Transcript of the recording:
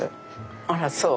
あらそう。